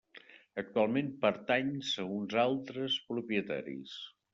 Actualment pertanys a uns altres propietaris.